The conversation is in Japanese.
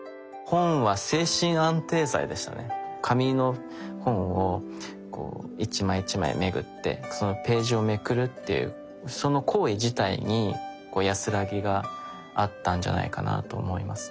紙の本をこう一枚一枚めぐってそのページをめくるっていうその行為自体に安らぎがあったんじゃないかなと思いますね。